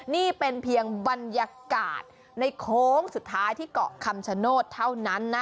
นี่เป็นเพียงบรรยากาศในโค้งสุดท้ายที่เกาะคำชโนธเท่านั้นนะ